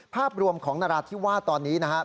ภาพรวมของนราธิวาสตอนนี้นะครับ